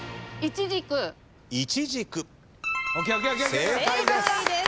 正解です。